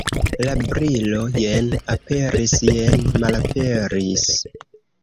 La brilo jen aperis, jen malaperis.